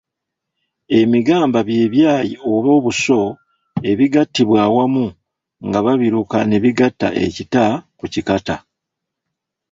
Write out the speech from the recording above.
Emigamba bye byayi oba obuso ebigattibwa awamu nga babiruka ne bigatta ekita ku kikata.